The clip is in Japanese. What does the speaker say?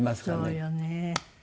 そうよね。